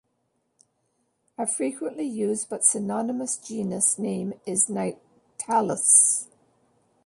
A frequently used but synonymous genus name is "Nyctalis".